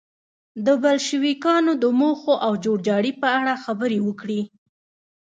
د بلشویکانو د موخو او جوړجاړي په اړه خبرې وکړي.